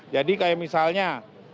jadi kayak misalnya